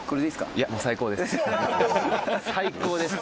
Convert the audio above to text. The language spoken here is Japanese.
「最高です」